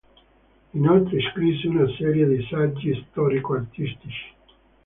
Inoltre scrisse una serie di saggi storico-artistici